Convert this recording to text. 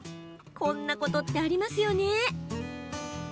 こんなことありますよね？